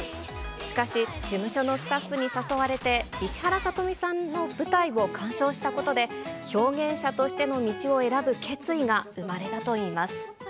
しかし、事務所のスタッフに誘われて、石原さとみさんの舞台を鑑賞したことで、表現者としての道を選ぶ決意が生まれたといいます。